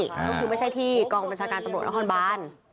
ก็คือไม่ใช่ที่กองบริษัทการตำรวจและฮ่อนบ้าน